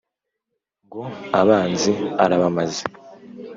Ngo Abanzi arabamaze